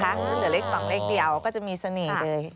ถ้าเหลือเลข๒เลขเดียวก็จะมีเสน่ห์เลย